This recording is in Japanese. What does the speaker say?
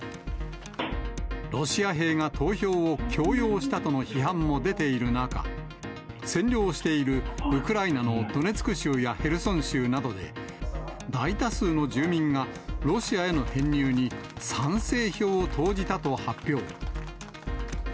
ロシア兵が投票を強要したとの批判も出ている中、占領しているウクライナのドネツク州やヘルソン州などで、大多数の住民がロシアへの編入に賛成票を投じたと発表。